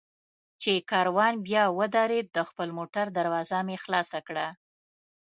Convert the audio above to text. چې کاروان بیا ودرېد، د خپل موټر دروازه مې خلاصه کړه.